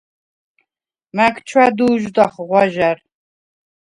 მა̈გ ჩვა̈დუ̄ჟდახ ღვაჟა̈რ.